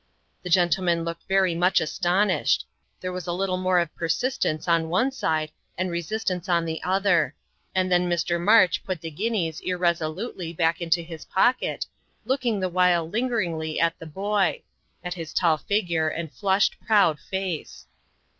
The gentleman looked very much astonished. There was a little more of persistence on one side and resistance on the other; and then Mr. March put the guineas irresolutely back into his pocket, looking the while lingeringly at the boy at his tall figure, and flushed, proud face.